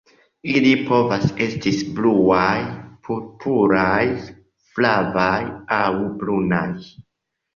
Ili povas estis bluaj, purpuraj, flavaj aŭ brunaj.